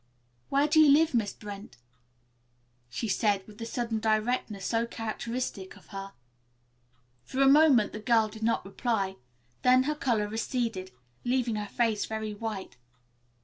"Where do you live, Miss Brent!" she asked with the sudden directness so characteristic of her. For a moment the girl did not reply, then her color receded, leaving her face very white.